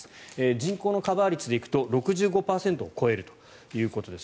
人口のカバー率でいくと６５％を超えるということです。